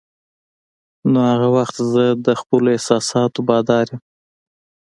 نو هغه وخت زه د خپلو احساساتو بادار یم.